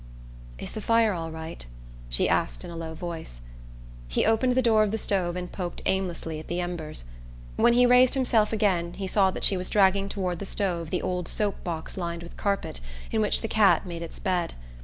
"Is the fire all right?" she asked in a low voice. He opened the door of the stove and poked aimlessly at the embers. When he raised himself again he saw that she was dragging toward the stove the old soap box lined with carpet in which the cat made its bed.